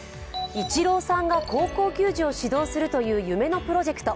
イチローさんが高校球児を指導するという夢のプロジェクト。